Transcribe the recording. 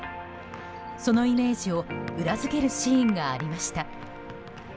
そのイメージを裏付けるシーンがありました。